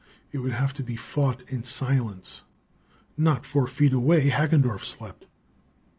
It would have to be fought in silence. Not four feet away, Hagendorff slept.